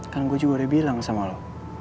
kan gue juga udah bilang sama lo